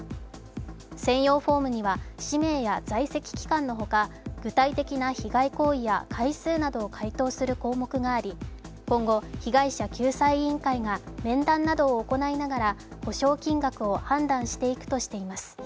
専用フォームには、氏名や在籍期間のほか具体的な被害行為や回数などを回答する項目があり今後、被害者救済委員会が面談などを行いながら補償金額を判断していくとしています。